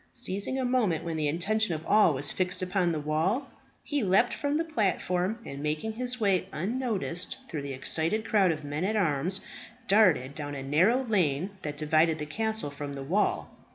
Seizing a moment when the attention of all was fixed upon the wall, he leaped from the platform, and making his way unnoticed through the excited crowd of men at arms, darted down a narrow lane that divided the castle from the wall.